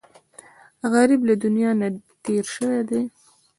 غریب له دنیا نه تېر شوی وي